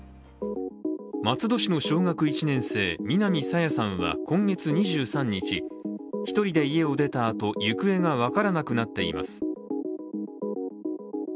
松戸市の小学１年生、南朝芽さんは今月２３日、１人で家を出たあと行方が分からなくなっています。